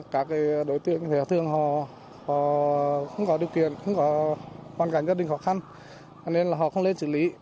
các đối tượng nhà thương không có điều kiện không có quan cảnh gia đình khó khăn nên họ không lên xử lý